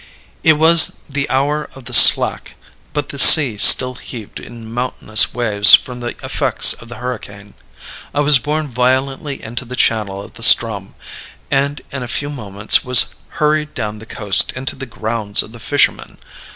"It was the hour of the slack, but the sea still heaved in mountainous waves from the effects of the hurricane. I was borne violently into the channel of the Ström, and in a few minutes was hurried down the coast into the 'grounds' of the fishermen.